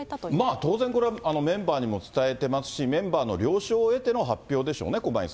まあ当然これ、メンバーに伝えてますし、メンバーの了承を得ての発表でしょうね。